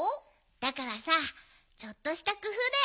だからさちょっとしたくふうだよ。